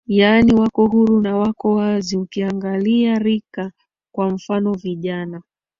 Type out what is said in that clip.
yani wako huru na wako wazi ukiangalia rika kwa mfano vijana